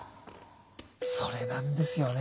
それなんですよね。